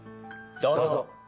どうぞ。